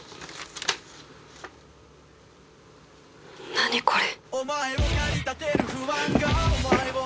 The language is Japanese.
何これ。